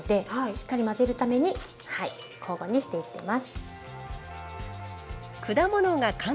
しっかり混ぜるために交互にしていってます。